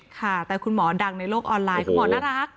ค่ะแต่คุณหมอดังในโลกออนไลน์คุณหมอน่ารัก